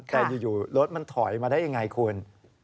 แต่อยู่รถมันถอยมาได้ยังไงคุณ